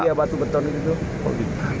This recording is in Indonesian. iya batu beton itu